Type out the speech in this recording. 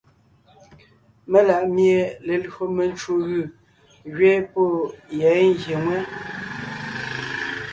Mela ʼmie lelÿò mencwò gʉ̀ gẅiin pɔ́ yɛ́ ngyè ŋwɛ́.